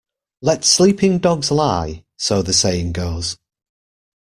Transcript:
Let sleeping dogs lie, so the saying goes.